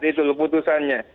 itu loh putusannya